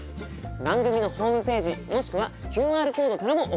番組のホームページもしくはＱＲコードからも送っていただけます。